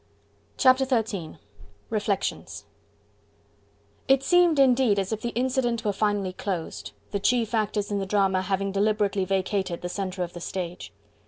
Chapter XIII: Reflections It seemed indeed as if the incident were finally closed, the chief actors in the drama having deliberately vacated the centre of the stage.